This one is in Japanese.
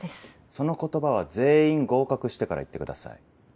その言葉は全員合格してから言ってください。